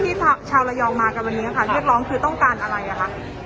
ที่ชาวระยองมากันวันนี้ค่ะเรียกร้องคือต้องการอะไรอ่ะคะ